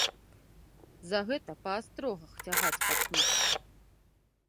За гэта па астрогах цягаць пачнуць.